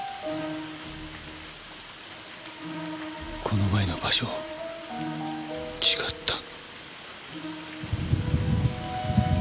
この前の場所違った